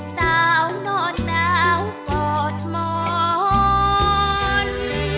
สาวงอดหนาวกอดหมอน